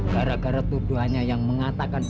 gara gara tuduhannya yang mengatakan